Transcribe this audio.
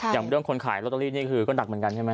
อย่างคนขายล้อตเตอรี่นี่ก็ดักเหมือนกันใช่ไหม